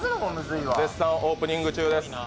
絶賛オープニング中です